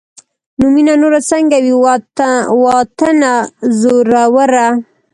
نو مينه نوره سنګه وي واطنه زوروره